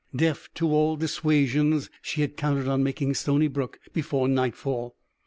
Deaf to all dissuasions, she had counted on making Stony Brook before nightfall.